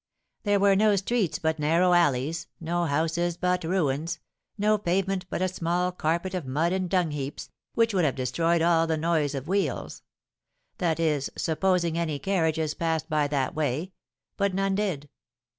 There were no streets but narrow alleys, no houses but ruins, no pavement but a small carpet of mud and dungheaps, which would have destroyed all the noise of wheels, that is, supposing any carriages passed by that way; but none did!